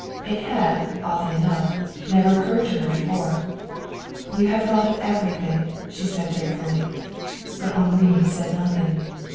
It had, oddly enough, never occurred to her before. "You have thought of everything," she said gratefully. But Henri said nothing.